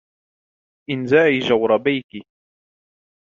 انزعي جوربيكِ.